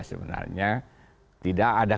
sebenarnya tidak ada